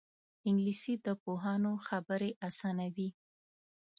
انګلیسي د پوهانو خبرې اسانوي